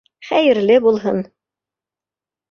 Хәйерле булһын.